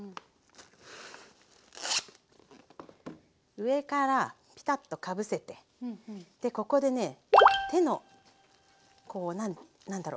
上からピタッとかぶせてここでね手のこうなんだろ。